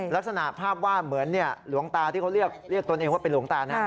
ลักษณะภาพวาดเหมือนหลวงตาที่เขาเรียกตนเองว่าเป็นหลวงตานะ